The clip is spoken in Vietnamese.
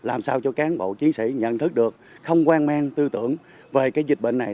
làm sao cho cán bộ chiến sĩ nhận thức được không quang men tư tưởng về dịch bệnh này